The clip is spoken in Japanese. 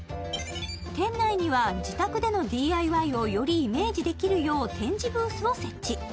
店内には自宅でのＤＩＹをよりイメージできるよう展示ブースを設置